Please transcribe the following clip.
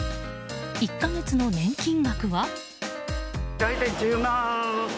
１か月の年金額は？